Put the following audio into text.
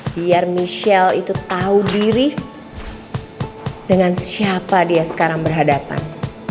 biar michelle itu tahu diri dengan siapa dia sekarang berhadapan